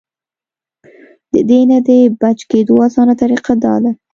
د دې نه د بچ کېدو اسانه طريقه دا ده -